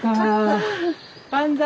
万歳。